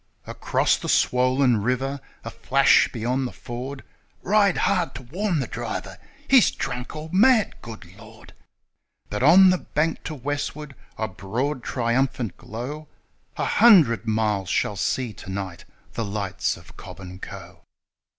Across the swollen river a flash beyond the ford :' Ride hard to warn the driver ! He's drunk or mad, good Lord !' But on the bank to westward a broad, triumphant glow A hundred miles shall see to night the lights of Cobb and Co.